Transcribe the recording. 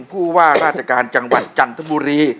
ผู้ว่าราชการจังหวัดจันทบุรี